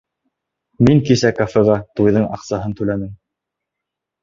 Мин кисә кафеға туйҙың аҡсаһын түләнем.